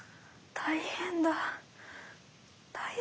大変だ！